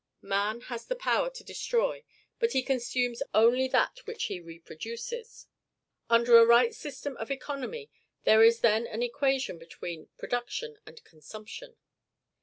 Man has the power to destroy, but he consumes only that which he reproduces. Under a right system of economy, there is then an equation between production and consumption.